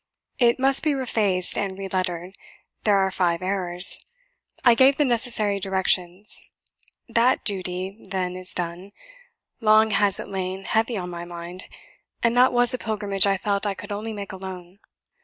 It must be refaced and relettered; there are five errors. I gave the necessary directions. THAT duty, then, is done; long has it lain heavy on my mind; and that was a pilgrimage I felt I could only make alone.